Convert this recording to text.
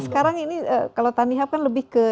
sekarang ini kalau tanihub kan lebih ke